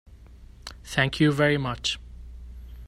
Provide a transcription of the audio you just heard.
Thank you very much.